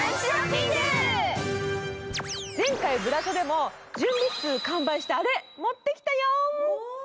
前回「ブラショ」でも準備数完売したあれ、持ってきたよ！